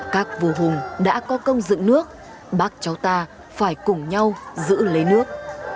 các vua hùng đã có công dựng nước bác cháu ta phải cùng nhau giữ lấy nước